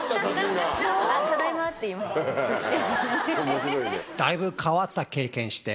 面白いね。